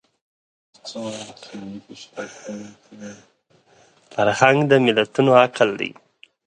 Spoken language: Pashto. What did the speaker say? فرهنګ د ملتونو عقل دی